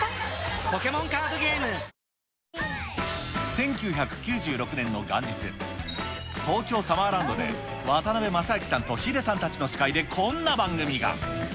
１９９６年の元日、東京サマーランドで渡辺正行さんとヒデさんたちの司会でこんな番組が。